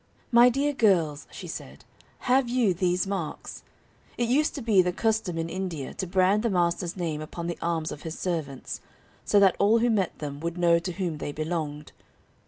"My dear girls," she said, "have you these marks? It used to be the custom in India to brand the master's name upon the arms of his servants, so that all who met them would know to whom they belonged.